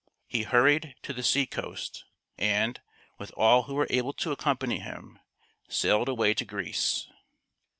He hurried to the sea coast, and, with all who were able to accompany him, sailed away to Greece.